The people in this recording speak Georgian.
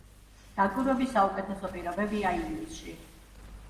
დაკვირვების საუკეთესო პირობებია ივლისში.